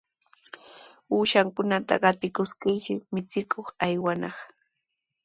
Uushankunata qatikuskirshi michikuq aywanaq.